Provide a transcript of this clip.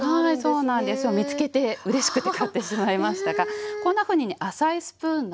はいそうなんですよ。見つけてうれしくて買ってしまいましたがこんなふうにね浅いスプーンなんです。